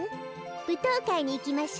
ぶとうかいにいきましょう。